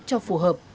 cho phù hợp